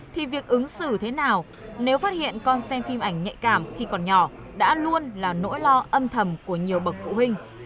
thì việc ứng xử thế nào nếu phát hiện con xem phim ảnh nhạy cảm khi còn nhỏ đã luôn là nỗi lo âm thầm của nhiều bậc phụ huynh